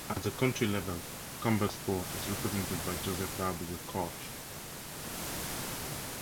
At the county level, Campbellsport is represented by Joseph W. Koch.